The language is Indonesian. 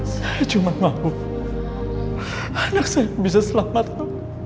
saya cuma mau anak saya bisa selamat lah